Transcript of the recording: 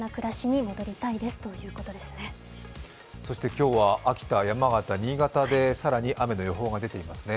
今日は秋田、山形、新潟で更に雨の予報が出ていますね。